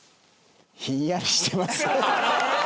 ひんやりしております。